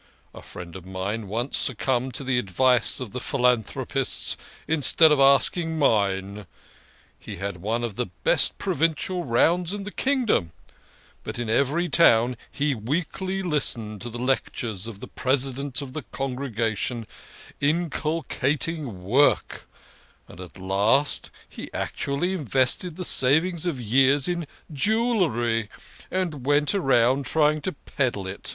A friend of mine once succumbed to the advice of the phi lanthropists instead of asking mine. He had one of the best provincial rounds in the kingdom, but in every town he weakly listened to the lectures of the president of the con gregation inculcating work, and at last he actually invested the savings of years in jewellery, and went round trying to peddle it.